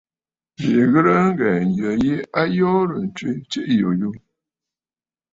Bìʼì ghɨ̀rə ŋghɛ̀ɛ̀ ǹyə yi, a yoorə̀ ǹtswe tsiiʼì yùyù.